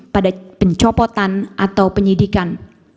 pada pencopotan atau penyidikan